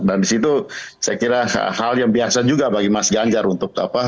dan di situ saya kira hal yang biasa juga bagi mas ganggar untuk apa